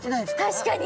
確かに。